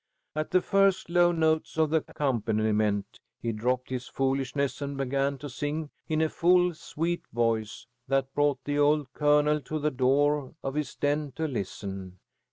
At the first low notes of the accompaniment, he dropped his foolishness and began to sing in a full, sweet voice that brought the old Colonel to the door of his den to listen.